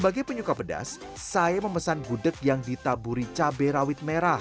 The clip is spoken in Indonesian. bagi penyuka pedas saya memesan gudeg yang ditaburi cabai rawit merah